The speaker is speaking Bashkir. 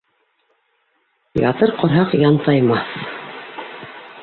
Ятыр ҡорһаҡ янтаймаҫ.